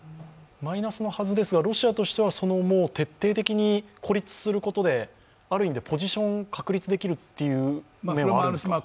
マイナスのはずですがロシアとしては徹底的に孤立することである意味でポジションを確立できるという面もあるんですか。